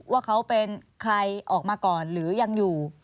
ว่าเขาเป็นใครออกมาก่อนหรือยังอยู่